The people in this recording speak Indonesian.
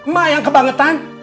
ma yang kebangetan